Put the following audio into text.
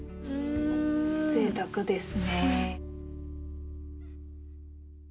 ぜいたくですね。